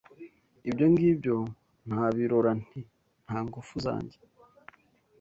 Ibyo ngibyo nabirora Nti: nta ngufu zanjye